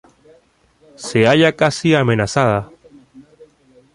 Se halla casi amenazada.